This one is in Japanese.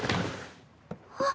あっ！